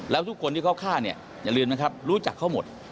แล้วทุกคนที่เขาฆ่าเนี่ยอย่าลืมนะครับรู้จักเขาหมด